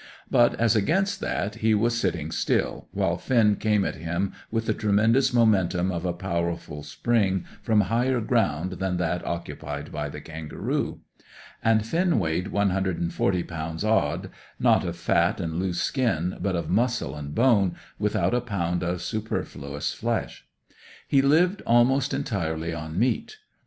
But, as against that, he was sitting still, while Finn came at him with the tremendous momentum of a powerful spring from higher ground than that occupied by the kangaroo. And Finn weighed one hundred and forty pounds odd not of fat and loose skin, but of muscle and bone, without a pound of superfluous flesh. He lived almost entirely on meat.